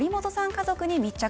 家族に密着。